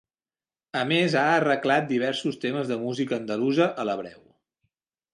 A més ha arreglat diversos temes de música andalusa a l'hebreu.